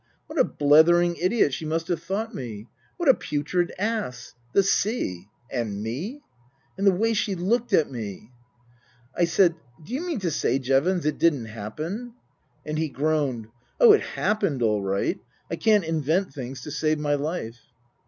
What a blethering idiot she must have thought me ! What a putrid ass ! The sea And me !" And the way she looked at me " I said, " D'you mean to say, Jevons, it didn't happen ?" And he groaned. " Oh, it happened all right. I can't invent things to save my life.